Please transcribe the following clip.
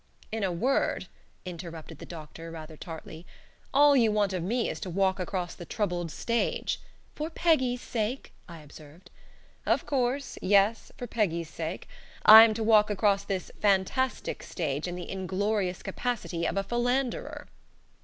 "In a word," interrupted the doctor, rather tartly, "all you want of me is to walk across the troubled stage " "For Peggy's sake," I observed. "Of course, yes, for Peggy's sake. I am to walk across this fantastic stage in the inglorious capacity of a philanderer."